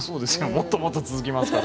もっともっと続きますから。